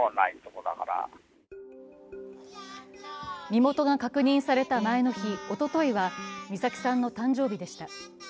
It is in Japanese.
身元が確認された前の日、おとといは美咲さんの誕生日でした。